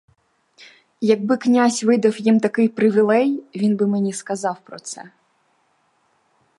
Якби князь видав їм такий привілей, він би мені сказав про це!